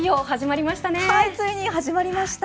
ついに始まりました。